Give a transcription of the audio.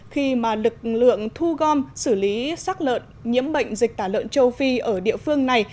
khi mà lực lượng thu gom xử lý sắc lợn nhiễm bệnh dịch tả lợn châu phi ở địa phương này